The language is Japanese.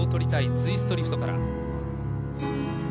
ツイストリフトから。